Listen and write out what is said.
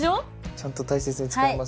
ちゃんと大切に使います。